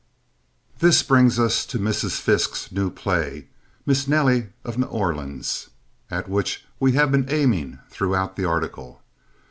This brings us to Mrs. Fiske's new play, Mis' Nelly, of N'Orleans, at which we have been aiming throughout the article.